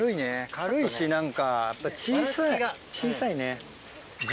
軽いし、なんかやっぱ小さい、小さいね。